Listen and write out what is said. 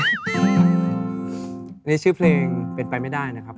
อันนี้ชื่อเพลงเป็นไปไม่ได้นะครับ